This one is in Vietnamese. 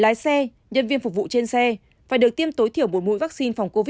lái xe nhân viên phục vụ trên xe phải được tiêm tối thiểu một mũi vaccine phòng covid một mươi